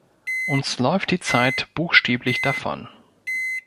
Uns läuft die Zeit buchstäblich davon!